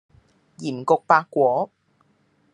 鹽焗白果